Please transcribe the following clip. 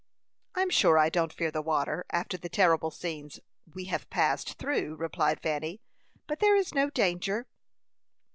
"I'm sure I don't fear the water, after the terrible scenes we have passed through," replied Fanny; "but there is no danger."